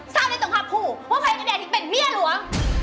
เศร้าในตรงภาพผู้ว่าใครก็ได้ที่เป็นเมียหลวง